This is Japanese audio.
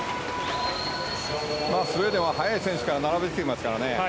スウェーデンは速い選手から並べてますからね。